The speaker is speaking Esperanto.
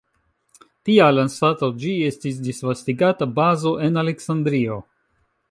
Tial anstataŭ ĝi estis disvastigata bazo en Aleksandrio.